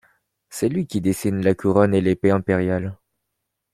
C'est lui qui dessine la couronne et l'épée impériale.